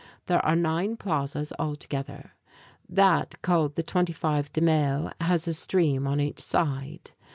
There are nine plazas altogether. That called the "25 de Mayo" has a stream on each side.